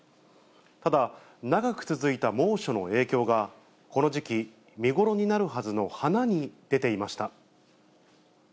ただ、長く続いた猛暑の影響が、この時期、見頃になるはずの花に出ていました。